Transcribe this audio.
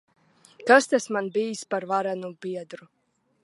Kas tas man bijis par varenu biedru!